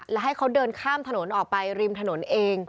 และให้เขาเดินข้ามถนนออกไปริมถนนเอง